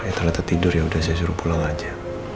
ternyata tidur yaudah saya suruh pulang aja